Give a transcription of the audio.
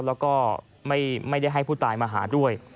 แล้วก็ไม่ได้ให้ผู้ตายมาหาด้วย